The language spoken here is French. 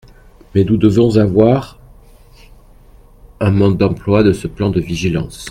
Mais nous devons avoir un mode d’emploi de ce plan de vigilance.